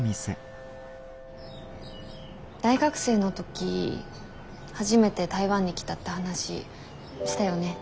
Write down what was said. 大学生の時初めて台湾に来たって話したよね。